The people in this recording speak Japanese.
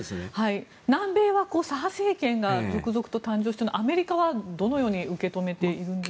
南米は左派政権が続々と誕生していますがアメリカはどのように受け止めているんでしょうか？